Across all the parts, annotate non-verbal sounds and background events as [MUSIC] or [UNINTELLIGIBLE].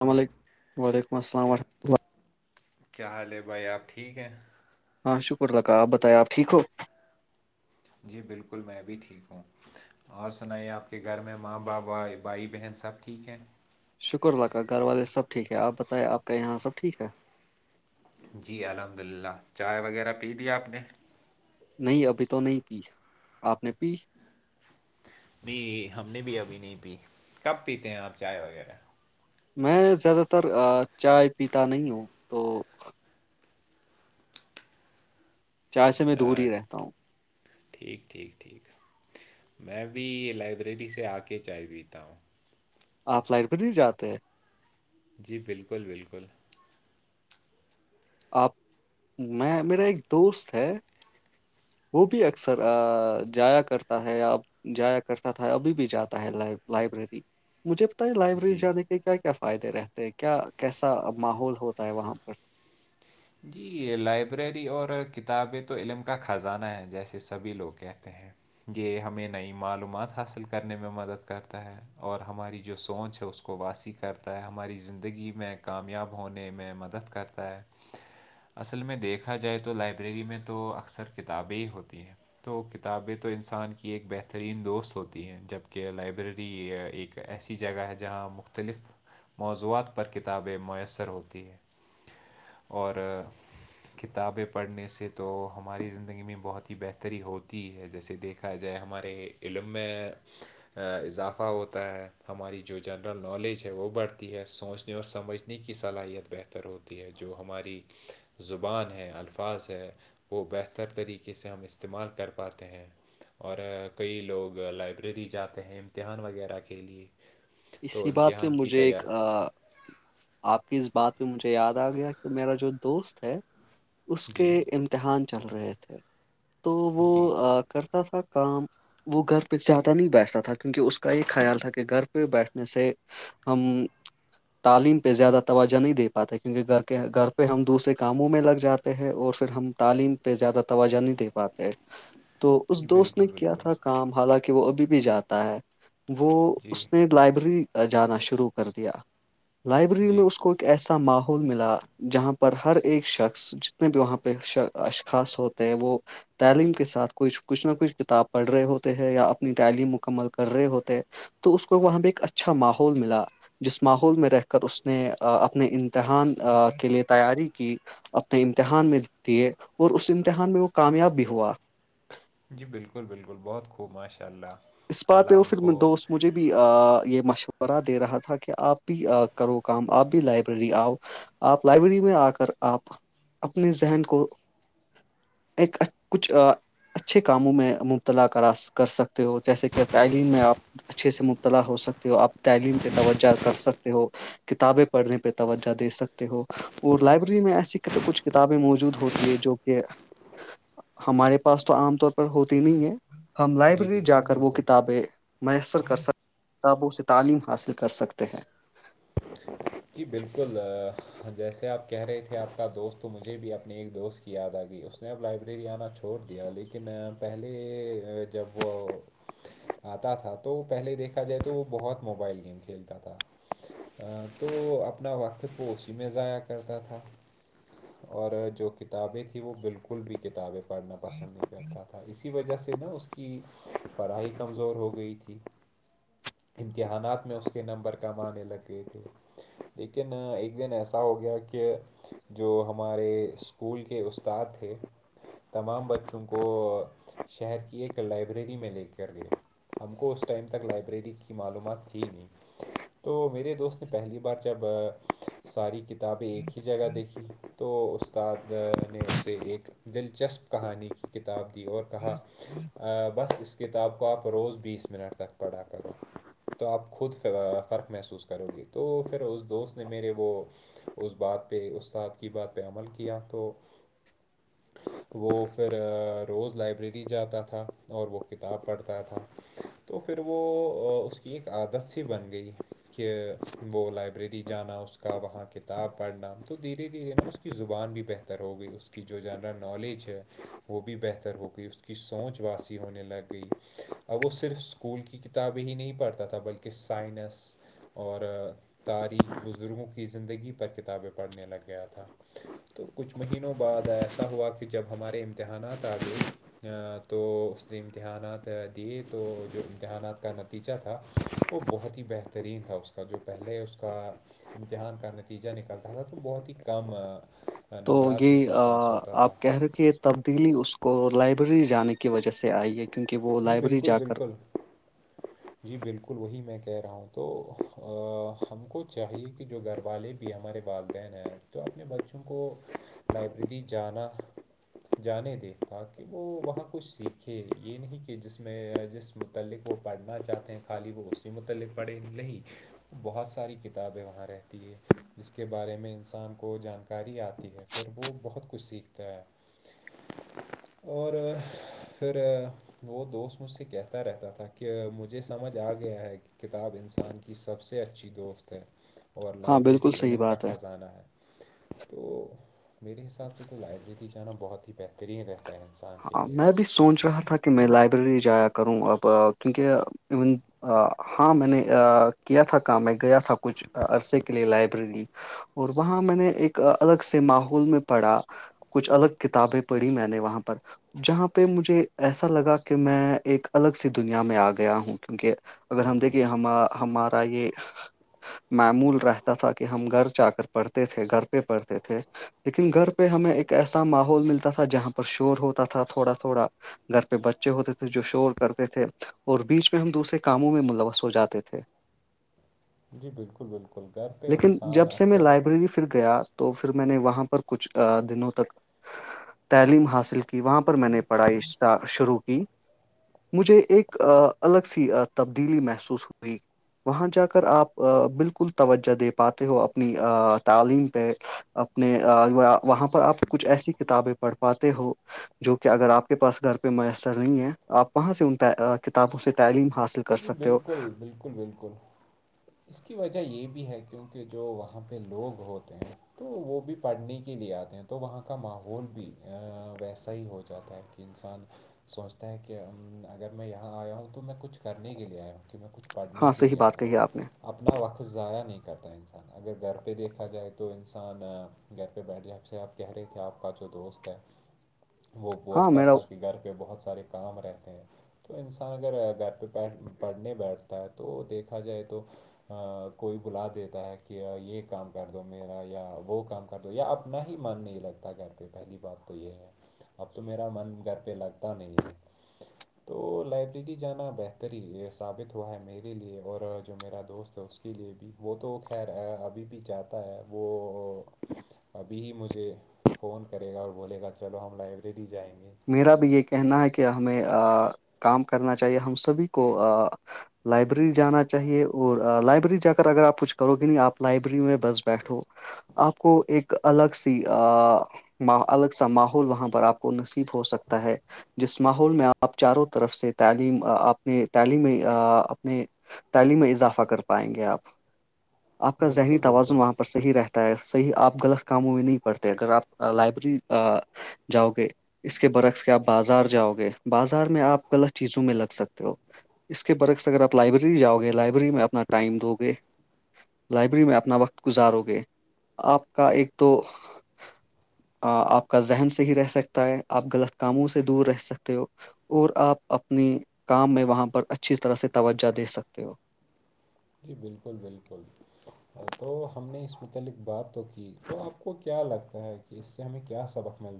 السلام علیکم وعلیکم السلام کیا ورحمۃ اللہ کیا حال ہے بھائی آپ ٹھیک ہیں ہاں شکر اداکا آپ بتائ آپ ٹھیک ہو جی بالکل میں بھی ٹھیک ہوں اور سنائیے آپ کے گھر میں ماں باپ بائی بھائی بہن سب ٹھیک ہیں شکر اللہ کا گھر والے سب ٹھیک ہے آپ بتائیں آپ کا یہاں سب ٹھیک ہے جی الحمد للہ چائے وغیرہ پی آپ نے نہیں ابھی تو نہیں پی آپ نے پی نہیں ہم نے بھی ابھی نہیں پی کب پیتے ہیں آپ چائے وغیرہ میں زیادہ تر چائے پیتا نہیں ہوں تو چائے سے میں دور آ، ہی رہتا ہوں ٹھیک ٹھیک ٹھیک میں بھی لائبریری سے آ کے چائے پتا ہوں آپ لائن پ نہیں جاتے جی بالکل بالکل آپ میں میرا ایک دوست ہے وہ بھی اکثر جایا کرتا ہےیا جایا کرتا تھا ابھی بھی جاتا ہے ل لائبریری مجھے پتتا ہے لائبریری جی جان کیا کیا فائدے رہتے ہیں کیا کیسا ماحول ہوتا ہے وہاں پر جی لائبریری اور کتابیں تو علم کا خزانہ ہے جیسے سبھی لوگ کہتے ہیں یہ ہمیں نئی معلومات حاصل کرنے میں مدد کرتا ہے اور ہماری جو سوچ ہے اس کو واسی کرتا ہے ہماری زندگی میں کامیاب ہونے میں مدد کرتا ہے اصل میں دیکھا جائے تو لائبریری میں تو اکثر کتابیں ہی ہوتی ہیں تو کتابیں تو انسان کی ایک بہترین دوست ہوتی ہیں جبکہ لائبریری ایک ایک ایسی جگہ ہے جہاں مختلف موضوعات پر کتابیں میسر ہوتی ہے اور کتابیں پڑھنے سے تو ہماری زندگی میں بہت ہی بہتری ہوتی ہے جیسے دیکھ جائے ہمارے علم میں اضافہ ہوتا ہے ہماری جو جنرل نالج ہے وہ بڑھتی ہے سوچنے اور سمجھ نے کی صلاحیت بہتر ہوتی ہے جو ہماری زبان ہے الفاظ ہے وہ بہتر طریقے سے ہم استعمال کر پاتے ہیں اور کئی لوگ لائبریری جاتے ہیں امتحان وغیرہ کے لیے تو اسی بات پہ امتحان کی مجھے ایک تیار آپ کی اس بات پہ مجھے یاد آ گیا کہ میرا جو دوست ہے اس کے جی امتحان چل رہے تھے تو وہ جی جی کرتا تھا کام وہ گھر پہ زیادہ نہیں بیٹھتا تھا کیونکہ اس کا یہ خیال تھا کہ گھر پہ بیٹھنے سے ہم تعلیم پہ زیادہ توجہ نہیں دے پاتے کیونکہ گھر کے گھر پہ ہم دوسرے کاموں میں لگ جاتے ہیں اور پھر ہم تعلیم پہ زیادہ توجہ نہیں دے پاتے ہیں تو اس جی دوست بالکل نے کیا بالکل تھا کام حالانکہ وہ ابھی بھی جاتا ہے وہ جی اس نے لائبریری جانا شروع کر دیا لائبریری میں جی اس کو ایسا ماحول ملا جہاں پر ہر ایک شخص جتنے بھی وہاں پہ اشخاص ہو وہ تعلیم کے ساتھ کچھ کچھ نہ کچھ کتاب پڑھ رہے ہوتے ہیں یا اپنی تعلیم مکمل کر رہے ہوتے تو اس کو وہاں بھیہ ایک اچھا ماحول ملا جس ماحول میں رہ کر اس نے اپنے امتحان کے لیئے تیاری کی اپنے امتحان میں دیے اور اس امتحان میں وہ کامیاب بھی ہوا جی بالکل بالکل بہت خوب ماشاء اللہ اس اللہ بات ہے وہ ان پھر کو دوست مجھے بھی بھی یہ مشورہ دے رہا تھا کہ آپ بھی کرو کام آپ بھی لائبریری آؤ آپ لائبریری میں آ کر آپ اپنے ذہن کو ایک کچھ اچھے کاموں میں مبتلا کرا کر سک تو جیسے کہ تعلیم میں آپ اچھے سے مبتلا ہو سکتے ہو آپ تعلیم پہ توجہ کر سکتے ہو کتابیں پڑھنے پہ توجہ دے سکتے ہو اور لائبریری میں ایسی کچھ کتابیں موجود ہوتی ہے جو کہ ہمارے پاس تو عام طور پر ہوتی نہیں ہے ہم جی لائبریری جا بالکل کر وہ بالکل کتاب کتا میسر کر سک کتابوں سے تعلیم حاصل کر سکتے ہیں جی بالکل جیسے آپ کہہ رہے تھے آپ کا دوست تو مجھے بھی اپنی ایک دوست یاد آ گئی اس نے اب لائبریری آنا چھوڑ دیا لیکن پہلے جب وہ آتا تھا تو پہلے دیکھا جائے تو وہ بہت موبائل گیم کھیلتا تھا تو اپنا وقت پ اسی میں ضاع کرتا تھا اور جو کتابیں تھیں وہ بالکل بھی کتابیں پڑھنا پسند نہیں کرتا تھا اسی وجہ سے نا اس کی پڑھائی کمزور ہو گئی تھی امتحانات میں اس کے نمبر کمانے لگ گئے تھے لیکن ایک دن ایسا ہو گیا کہ جو ہمارے اسکول کے استاد تھے تمام بچوں کو شہر کی ایک لائبریری میں لے کر ہم کو اس ٹائم تک لائبریری کی معلومات تھی نہیں تو میرے دوست نے پہلی بار جب ساری کتابیں ایک ہی جگہ دیکھی تو استاد میں نے اسے ایک دلچسپ کہانی کی کتاب دی اور کہا بس اس کتاب کو آپ روز بیس منٹ تک پڑھا کریں تو آپ خود فرق محسوس کرو گی تو پھر اس دوست نے میرے وہ [UNINTELLIGIBLE] وہ پھر روز لائبریری جاتا تھا اور وہ کتاب پڑھتا تھا [UNINTELLIGIBLE] وہ لائبریری جانا اس کا وہاں کتاب پڑھنا تو دھیرے دھیرے اس کی زبان بھی بہتر ہو گئی اس کا کی جو جنرل نالج ہے وہ بھی بہتر ہو گئی اس کی سوچ واسیع ہونے لگ گئی اب وہ صرف اسکول کی کتابیں ہی نہیں پڑھتا تھا بلکہ سائنس اور تاریخ بزرگوں کی زندگی پر کتابیں پڑھنے لگ گیا تھا تو کچھ مہینوں بعد ایسا ہوا کہ جب ہمارے امتحانات آ گئے تو اس نے امتحانات دیے تو جو امتحانات کا یچا تھا وہ بہت ہی بہترین تھا اس کا جو پہلے اس کا امتحان کا نتیجہ نکلتا تھا تو بہت ہی کم تو نمبرات کے یہ ساتھ پاس ہوتا تھا آپ کہہ رہے یہ تبدیلی اس کو لائبریری جانے کی وجہ سے آئی ہے کیونکہ وہ جی لائبریری بالکل جا کر بالکل جی بالکل وہی میں کہہ رہا ہوں تو ہم کو چاہیے کہ جو گھر والے بھی بھی ہمارے والدین ہیں تو اپنے بچوں کو لائبریری جانا جانے دےتا کہ وہ وہاں کچھ سیکھے یہ نہیں کہ جس میں جس متعلق وہ پڑھنے چاہتے ہیں خالی وہ اسی متعلق پڑھے نہیں بہت ساری کتابیں وہاں رہتی ہے جس کے بارے میں انسان کو جانکاری آتی ہے پھر وہ بہت کچھ سیکھتا ہے [UNINTELLIGIBLE] اور پھر وہ دوست مجھ سے کہتا رہتا تھا کہ مجھے سمجھ آ گیا ہے کہ کتاب انسان کی سب سے اچھی دوست ہے اور ہاں بالکل لائبریری صحیح علم کا بات ہے خزانہ ہے تو میرے حساب سے تو لائبریری جانا بہت ہی بہترین رہتا ہے انسان کے ہاں لیے میں بھی سوچ رہا تھا کہ میں لائبریری جایا کروں اب کیونکہ ایون ہاں میں نے کیا تھا کام میں گیا تھا کچھ عرصے کے لیے لائبریری اور وہاں میں نے ایک الگ سے ماحول میں پڑا کچھ الگ کتابیں پڑھی میں نے وہاں پر جہاں پہ مجھے ایسا لگا کہ میں ایک الگ سی دنیا میں آ گیا ہوں کیونکہ اگر ہم دیکھیں ہم ہمارا یہ معمول رہتا تھا کہ ہم گھر جا کر پڑھتے تھے گھر پہ پڑھتے تھے لیکن گھر پہ ہمیں ایک ایسا ماحول ملتا تھا جہاں پر شور ہوتا تھا تھوڑا تھوڑا گھر پہ بچے ہوتے تھے جو شور کرتے تھے اور بیچ میں ہم دوسرے کاموں میں ملوث ہو جاتے تھے جی بالکل بالکل گھر پہ لیکن انسان جب سے میں اکثر لائبریری گیا تو پھر میں نے وہاں پر کچھ دنوں تک تعلیم حاصل کی کہ وہاں پر میں نے پڑھائی اسٹ شروع کی مجھے ایک الگ سی تبدیلی محسوس ہوئی وہاں جا کر آپ بالکل توجہ دے پاتے ہو اپنی تعلیم پہ اپنے وہاں پر آپ کچھ ایسی کتابیں پڑھ پاتے ہو جو کہ اگر آپ کے پاس گھر پہ میسر نہیں ہے آپ کہاں سے ان کتابوں سے تعلیم حاصل کر جی جی سکتے ہو بالکل بالکل بالکل اس کی وجہ یہ بھی ہے کیونکہ جو وہاں پہ لوگ ہوتے ہیں تو وہ بھی پڑھنے کے لیے آتے ہیں تو وہاں کا ماحول بھی ویسا ہی ہو جاتا ہے کہ کہ انسان سوچتا ہے کہ اگر میں یہاں آیا ہوں تو میں کچھ کرنے کے لیے آیا ہوں کہ میں کچھ پڑھنے ہاں کے صحیح لیے بات آتا ہ کہی آپ نے اپنا وقت ضائع نہیں کرتا انسان اگر گھر پہ دیکھا جائے تو انسان گھر پہ بیٹھ جائ آ سے آپ کہہ رہے تھے آپ کا جو دوست ہے [INAUDIBLE] وہ ہاں بولتا میرا تھا کہ گھر پہ بہت سارے کام رہتے ہیں تو انسان اگر گھر پہ بیٹھ پڑھنے بیٹھتا ہے تو دیکھا جائے تو کوئی بلا دیتا ہے کہ یہ کام کر دو میرا یا وہ کام کر کر دو یا اپنا ہی من نہیں لگتا گھر پہ پہلی بات تو یہ ہے اب تو میرا من گھر پہ لگتا نہیں ہے تو لائبریری جانا بہتر بہتری ثابت ہوا ہے میرے لیے اور جو میرا دوست ہے اس کے لیے بھی وہ تو خیر ابھی بھی چاتا ہے وہ ابھی ہی مجھے فون کرے گا اور بولے گا چلو ہم لائبریری جائیں گے میرا بھی یہ کہنا ہے کہ ہمیں کام کرنا چاہیے ہم سبھی کو لائبریری جانا چاہیے اور لائبریری جا کر اگر آپ کچھ کرو گے نہیں آپ لائبریری میں بس بیٹھو آپ کو ایک الگ سی الگ سا ماحول وہاں پر آپ کو ن ہو سکتا ہے جس ماحول میں آپ چاروں طرف سے تعلیم اپنے تعلیمی اپنے تعلیم میں اضافہ کر پائیں گے آپ آپ کا ذہنی بالکل توازن بالکل وہاں پر صحیح رہتا ہے صحیح آپ غلط کاموں میں نہیں پڑتے اگر آپ لائبریری جاؤ گے اس کے برعکس کے آپ بازار جاؤ گے بازار میں آپ غلط چیزوں میں لگ سکتے ہو اس کے برعک سے اگر آپ لائبریریاؤ گے لائبریری میں اپنا ٹائم دو گے لائبریری میں اپنا وقت گزارو گے آپ کا ایک دو آپ کا ذہن صحیح رہ سکتا ہے آپ غلط کاموں سے دور رہ سکتے ہو اور آپ اپنی کام میں وہاں پر اچھی طرح سے توجہ دے سکتے ہو جی بالکل بالکل [INAUDIBLE] تو ہم نے اس متعلق بات تو کی تو آپ کو کیا لگتا ہے کہ اس سے ہمیں کیا سبق [UNINTELLIGIBLE] [INAUDIBLE] مے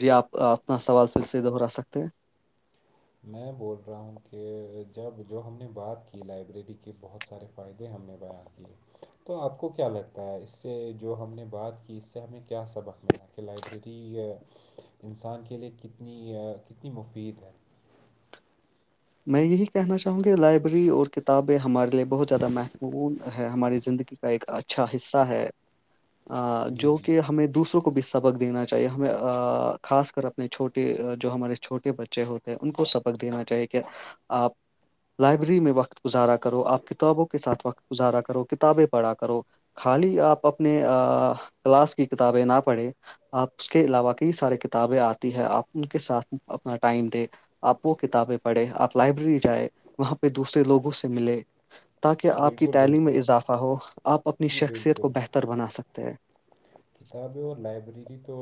جی آپ اپنا سوال پھر سے دہرا سکتے ہیں میں بول رہا ہوں کہ جب جو ہم نے بات کی لائبریری کے بہت سارے فائدے ہم نے بیان کیے تو آپ کو کیا لگتا ہے اس سے جو ہم نے بات کی اس سے ہمیں کیا سبق میں آ کہ لائبریری انسان کے لیے کتنی کتنی مفید ہے میں یہی کہنا چاہوں گی لائبریری اور کتابیں ہمارے لیے بہت زیادہ مہتوپورن ہے ہماری زندگی ایک اچھا حصہ ہے جی جو جی کہ ہمیں دوسروں بھی سبق دینا چاہیے ہمیں خاص کر اپنے چھوٹے جو ہمارے چھوٹے بچے ے ہوتے ہیں ان کو سبق دینا چاہیے کہ آپ لائبریری میں وقت گزارا کرو آپ کتابوں کے ساتھ وقت گزارا کرو کتابیں پڑھا کرو خالی آپ اپنے کلاس کی کتابیں نہ پڑھیں آپ اس کے علاوہ کئی ساراری کتابیں آتی ہے آپ ان کے ساتھ اپنا ٹائم دیں آپ وہ کتابیں پڑھے آپ لائبریری جائ وہاں پہ دوسرے لوگوں سے ملے تاکہ جی آپ کی بالکل تعلیم میں بالکل اضافہ ہو آپ اپنی جی شخصیت کو بالکل بہتر بنا سکتے ہیں کتابیں اور لائبریری تو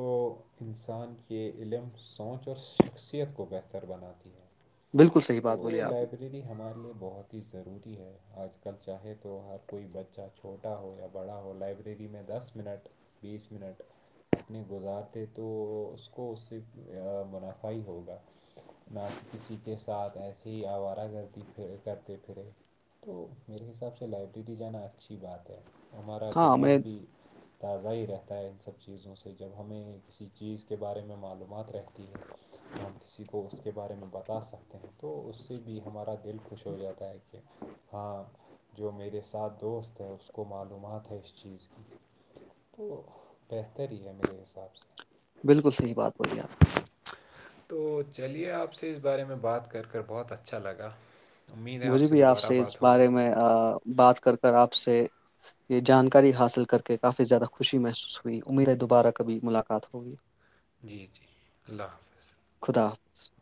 انسان کے علم سونچ اور شخصیت کو بہتر بناتی ہے بالکل صحیح تو بات بولی آپ نے لائبریری ہمارے لیے بہت ہی ضروری ہے آج کل چاہے تو ہر کوئی بچہ چھوٹا ہو یا بڑا ہو لائبریری میں دس منٹ بیس منٹ اپنے گزارتے تو اس کو اس سے منافع ہی ہوگا نہ تو کسی کے ساتھ ایسے ہی آوارہ کرتی پھرے کرتے پھرے تو میرے حساب سے لائبریری جانا اچھی بات ہے ہمارا ہاں دماغ میں بھی تازہ ہی رہتا ہے ان سب چیزوں سے جب ہمیں کسی چیز کے بارے میں معلومات رہتی ہم کسی کو اس کے بارے میں بتا سکتے ہیں تو اس سے بھی ہمارا دل خوش ہو جاتا ہے کہ ہاں جو میرے ساتھ دوست ہے اس کو معلومات ہے اس چیز کی تو بہتر ہی ہے میرے حساب سے بالکل صحیح بات بولی آپ نے تو چلیے آپ سے اس بارے میں بات کر کر بہت اچھا لگا امید ہے مجھے بھی آپ دوبارہ سے اس بات ہوگی بارے میں بات کر کر آپ سے یہ جانکاری حاصل کر کے کافی زیادہ خوشی محسوس ہوئی امید ہے دوبارہ کبھی ملاقات ہو [INAUDIBLE] جی جی اللہ حافظ خدا حافظ